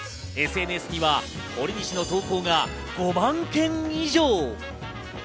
ＳＮＳにはほりにしの投稿が５万件以上。